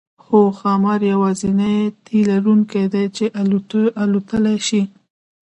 هو ښامار یوازینی تی لرونکی دی چې الوتلی شي